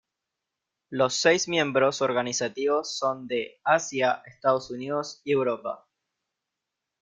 Los seis miembros organizativos son de Asia, Estados Unidos y Europa.